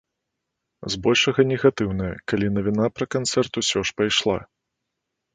Збольшага негатыўная, калі навіна пра канцэрт усё ж пайшла.